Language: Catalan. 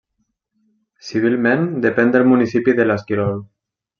Civilment depèn del municipi de l'Esquirol.